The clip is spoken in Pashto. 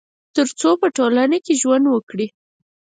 تر څو په ټولنه کي ژوند وکړي